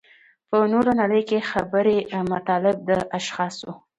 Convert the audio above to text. په نوره نړۍ کې خبري مطالب د اشخاصو.